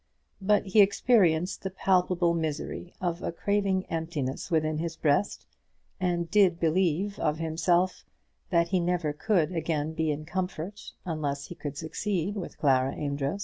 But he experienced the palpable misery of a craving emptiness within his breast, and did believe of himself that he never could again be in comfort unless he could succeed with Clara Amedroz.